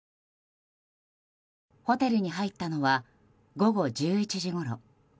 ホテルに入ったのは午後１１時ごろ。